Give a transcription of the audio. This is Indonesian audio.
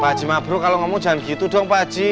pak haji mabro kalau gak mau jangan gitu dong pak haji